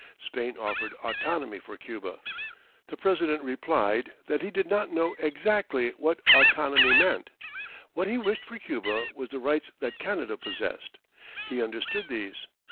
Spain offered autonomy for Cuba. The President replied that he did not know exactly what "autonomy" meant. What he wished for Cuba was the rights that Canada possessed. He understood these.